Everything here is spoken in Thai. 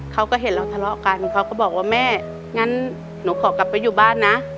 เขาก็เห็นเราทะเลาะกันเขาก็บอกว่าแม่งั้นหนูขอกลับไปอยู่บ้านนะ